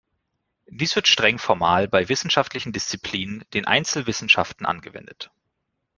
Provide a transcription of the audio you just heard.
Dies wird streng formal bei wissenschaftlichen Disziplinen, den Einzelwissenschaften, angewendet.